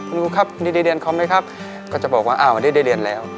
คุณครูครับวันนี้ได้เรียนคอมไหมครับก็จะบอกว่าอ่าวันนี้ได้เรียนแล้ว